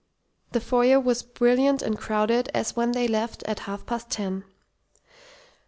The foyer was as brilliant and crowded as when they left at half past ten.